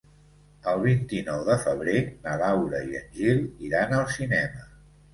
El vint-i-nou de febrer na Laura i en Gil iran al cinema.